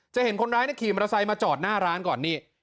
เห็นคนร้ายขี่มอเตอร์ไซค์มาจอดหน้าร้านก่อนนี่